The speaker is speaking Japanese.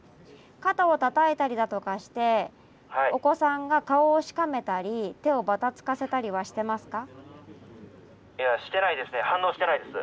肩をたたいたりだとかしてお子さんが顔をしかめたり手をばたつかせたりはしてますか？